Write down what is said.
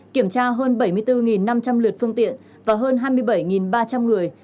kiểm tra hơn bảy mươi bốn năm trăm linh lượt phương tiện và hơn hai mươi bảy ba trăm linh người